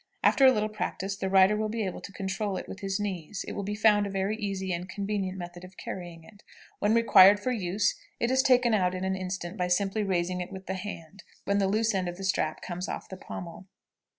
After a little practice the rider will be able to control it with his knees, and it will be found a very easy and convenient method of carrying it. When required for use, it is taken out in an instant by simply raising it with the hand, when the loose end of the strap comes off the pommel.